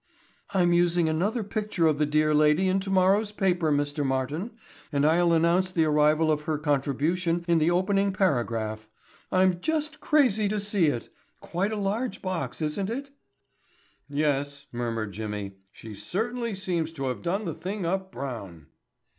"I'm using another picture of the clear lady in tomorrow's paper, Mr. Martin, and I'll announce the arrival of her contribution in the opening paragraph. I'm just crazy to see it. Quite a large box, isn't it?" "Yes," murmured Jimmy. "She certainly seems to have done the thing up brown."